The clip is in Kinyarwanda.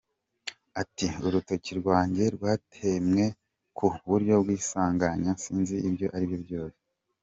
Ati “Urutoki rwanjye rwatemwe ku buryo bw’isanganya, sinzi ibyo ari byo.